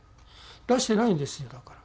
出してないんですよだから。